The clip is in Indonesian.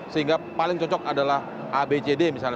sehingga paling cocok adalah abcd misalnya